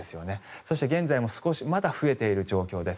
そして、現在もまだ増えている状況です。